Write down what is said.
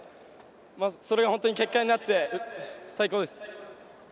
それが本当に結果になって最高です。